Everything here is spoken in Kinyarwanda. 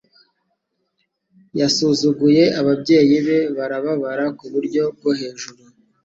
Yasuzuguye ababyeyi be barababara kuburyo bwohejuru.